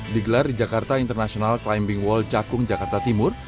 digelar di jakarta international climbing wall cakung jakarta timur